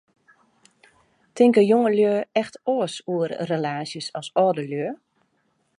Tinke jongelju echt oars oer relaasjes as âldelju?